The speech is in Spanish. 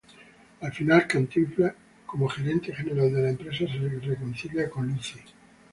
Al final Cantinflas como gerente general de la empresa se reconcilia con Lucy.